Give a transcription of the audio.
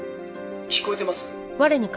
聞こえてます？